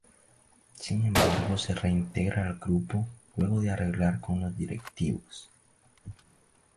Sin embargo se reintegra al grupo luego de arreglar con los directivos.